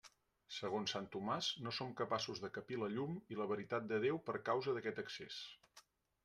Segons sant Tomàs, no som capaços de capir la llum i la veritat de Déu per causa d'aquest excés.